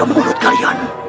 jangan mengurut kalian